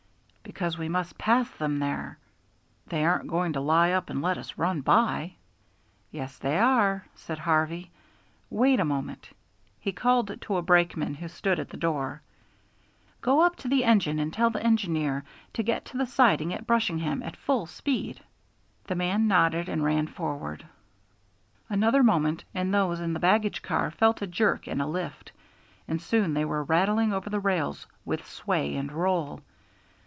"Because we must pass them there." "They aren't going to lie up and let us run by." "Yes, they are," said Harvey. "Wait a moment." He called to a brakeman who stood at the door, "Go up to the engine and tell the engineer to get to the siding at Brushingham at full speed." The man nodded and ran forward. Another moment and those in the baggage car felt a jerk and a lift, and soon they were rattling over the rails with sway and roll.